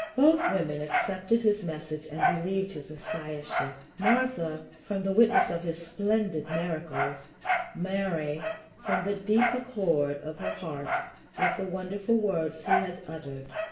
Both women accepted his message and believed his Messiahship Martha, from the witness of his splendid miracles; Mary, from the deep accord of her heart with the wonderful words he had uttered.